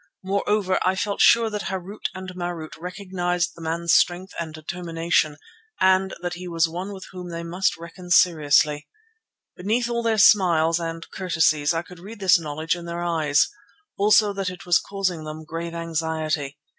Moreover, I felt sure that Harût and Marût recognized the man's strength and determination and that he was one with whom they must reckon seriously. Beneath all their smiles and courtesies I could read this knowledge in their eyes; also that it was causing them grave anxiety.